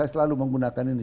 saya selalu menggunakan ini